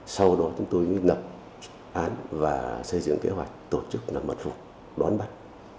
sau đó chúng tôi mới ngập án và xây dựng kế hoạch tổ chức là mật phục đón bắt